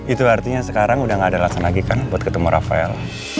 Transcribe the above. itu artinya sekarang udah gak ada alasan lagi kan buat ketemu rafael